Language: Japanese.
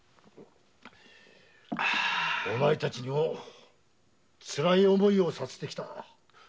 お前たちにも辛い思いをさせてきた。